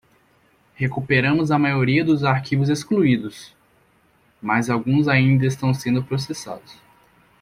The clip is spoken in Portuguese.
Recuperamos a maioria dos arquivos excluídos?, mas alguns ainda estão sendo processados.